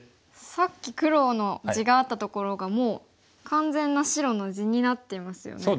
さっき黒の地があったところがもう完全な白の地になっていますよね。